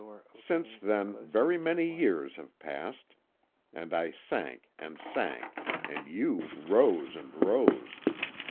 Since then very many years have passed, and I sank and sank, and you rose and rose.